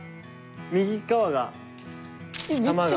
右側が玉が。